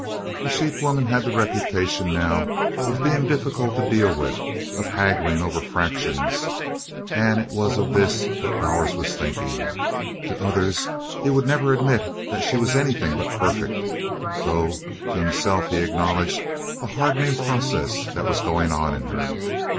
The sheep woman had the reputation now of being difficult to deal with, of haggling over fractions, and it was of this that Bowers was thinking. To others he would never admit that she was anything but perfect, though to himself he acknowledged the hardening process that was going on in her.